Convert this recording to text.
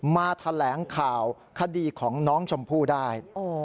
มาแถลงข่าวคดีของน้องชมพู่ได้